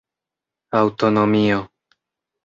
aŭtonomio